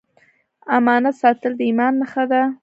امانت ساتل د ایمان نښه ده